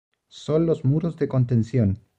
Son los muros de contención.